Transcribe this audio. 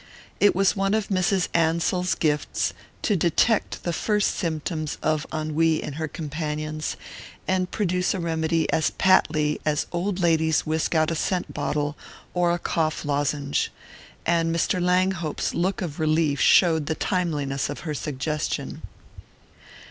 It was one of Mrs. Ansell's gifts to detect the first symptoms of ennui in her companions, and produce a remedy as patly as old ladies whisk out a scent bottle or a cough lozenge; and Mr. Langhope's look of relief showed the timeliness of her suggestion.